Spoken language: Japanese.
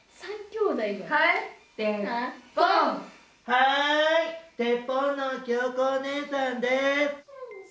はいデ・ポンのきよこおねえさんです。